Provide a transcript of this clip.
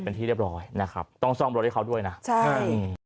เป็นที่เรียบร้อยนะครับต้องซ่อมรถให้เขาด้วยนะใช่